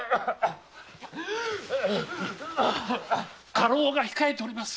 家老が控えております。